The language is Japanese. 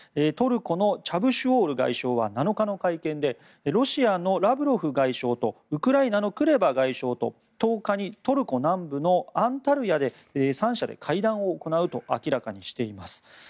トルコのチャブシュオール外相は７日の会見でロシアのラブロフ外相とウクライナのクレバ外相と１０日にトルコ南部のアンタルヤで３者で会談を行うと明らかにしています。